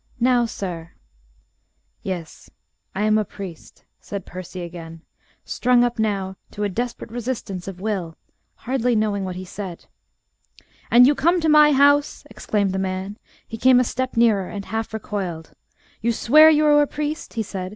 "Now, sir " "Yes, I am a priest," said Percy again, strung up now to a desperate resistance of will, hardly knowing what he said. "And you come to my house!" exclaimed the man. He came a step nearer, and half recoiled. "You swear you are a priest?" he said.